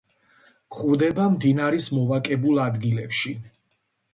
გვხვდება მდინარის მოვაკებულ ადგილებში.